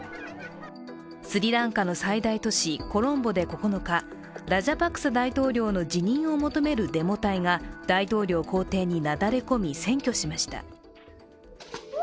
スリランカの最大都市コロンボで９日、ラジャパクサ大統領の辞任を求めるデモ隊が大統領公邸になだれ込み占拠しました。